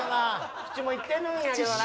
口もいってるんやけどな。